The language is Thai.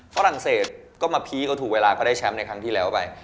ฝรั่งเศสก็มาพีคเขาถูกเวลาเขาได้แชมป์ในครั้งที่แล้วไป